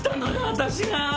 私が！